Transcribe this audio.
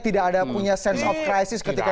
tidak ada punya sense of crisis ketika